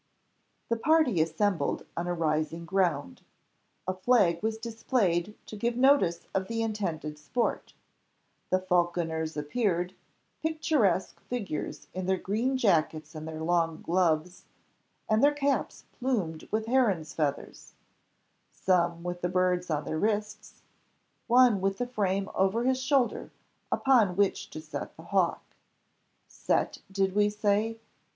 The party assembled on a rising ground; a flag was displayed to give notice of the intended sport; the falconers appeared, picturesque figures in their green jackets and their long gloves, and their caps plumed with herons' feathers some with the birds on their wrists one with the frame over his shoulder upon which to set the hawk. Set, did we say?